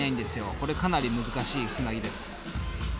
これかなり難しいつなぎです。